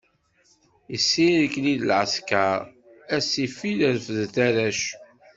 Isirkli-d lɛesker, a ssifil refdet arrac.